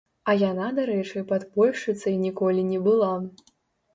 А яна, дарэчы, падпольшчыцай ніколі не была!